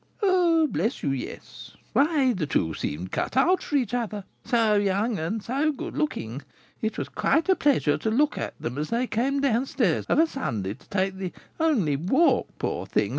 "Oh, bless you, yes! Why, the two seemed cut out for each other, so young and so good looking! It was quite a pleasure to look at them as they came down stairs of a Sunday to take the only walk, poor things!